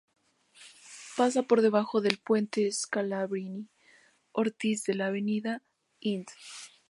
Pasa por debajo del Puente Scalabrini Ortiz de la "Avenida Int.